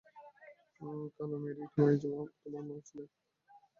কালো মেরিই তোমার মা ছিলেন।